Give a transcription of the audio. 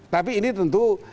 tapi ini tentu